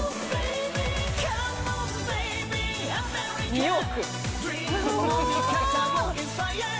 ２億！